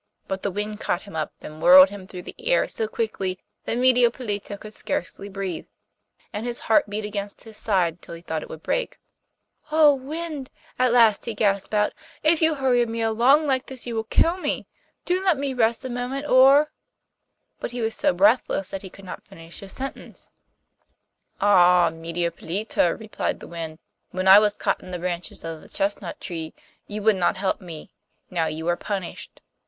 But the wind caught him up, and whirled him through the air so quickly that Medio Pollito could scarcely breathe, and his heart beat against his side till he thought it would break. 'Oh, wind!' at last he gasped out, 'if you hurry me along like this you will kill me. Do let me rest a moment, or ' but he was so breathless that he could not finish his sentence. 'Ah! Medio Pollito,' replied the wind, 'when I was caught in the branches of the chestnut tree you would not help me; now you are punished.